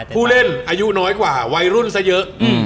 ผู้เล่นอายุน้อยกว่าวัยรุ่นซะเยอะ